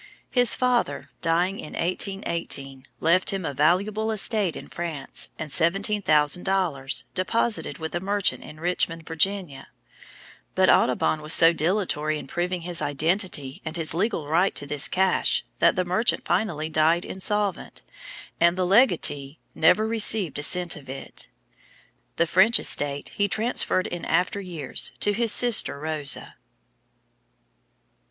His father dying in 1818, left him a valuable estate in France, and seventeen thousand dollars, deposited with a merchant in Richmond, Virginia; but Audubon was so dilatory in proving his identity and his legal right to this cash, that the merchant finally died insolvent, and the legatee never received a cent of it. The French estate he transferred in after years to his sister Rosa.